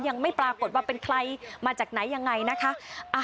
ยังไม่ปรากฏว่าเป็นใครมาจากไหนยังไงนะคะ